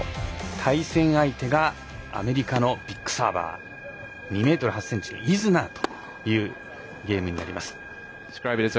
対戦相手がアメリカのビッグサーバー２ｍ８ｃｍのイズナーというゲームになります。